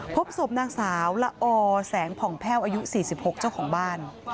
พบศพนางสาวละอแสงผ่องแพ่วอายุ๔๖เจ้าของบ้าน